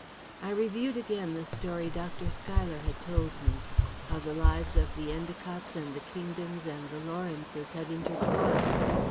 I reviewed again the story Dr. Schuyler had told me. How the lives of the Endicotts and the Kingdons and the Lawrences had intertwined!